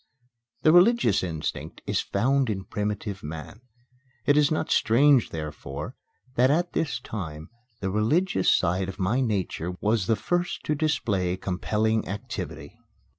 The religious instinct is found in primitive man. It is not strange, therefore, that at this time the religious side of my nature was the first to display compelling activity.